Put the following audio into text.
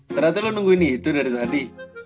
ternyata lo nungguin itu dari tadi